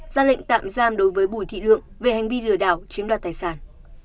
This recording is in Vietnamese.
ra lệnh tạm giam đối với bùi thị lượng về hành vi lừa đảo chiếm đoạt tài sản